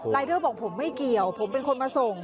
เดอร์บอกผมไม่เกี่ยวผมเป็นคนมาส่ง